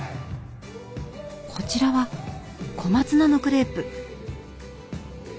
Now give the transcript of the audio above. こちらは小松菜のクレープ。